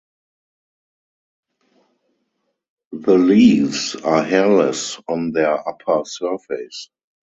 The leaves are hairless on their upper surface.